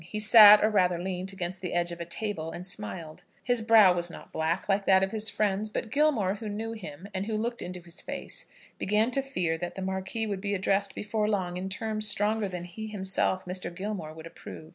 He sat, or rather leant, against the edge of a table, and smiled. His brow was not black, like that of his friend; but Gilmore, who knew him, and who looked into his face, began to fear that the Marquis would be addressed before long in terms stronger than he himself, Mr. Gilmore, would approve.